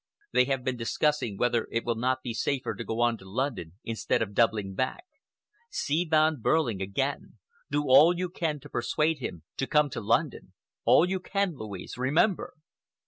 They have been discussing whether it will not be safer to go on to London instead of doubling back. See Von Behrling again. Do all you can to persuade him to come to London,—all you can, Louise, remember."